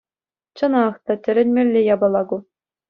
Чӑнах та, тӗлӗнмелле япала ку.